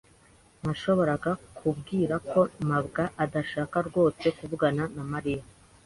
Nashoboraga kubwira ko mabwa adashaka rwose kuvugana na Mariya.